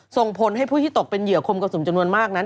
ส่งผลให้ผู้ที่ตกเป็นเหยื่อคมกระสุนจำนวนมากนั้น